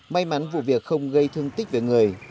may mắn vụ việc không gây thương tích về người